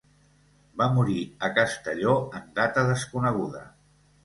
Va morir a Castelló en data desconeguda.